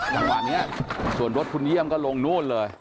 จังหวะนี้ส่วนรถคุณเยี่ยมก็ลงนู่นเลย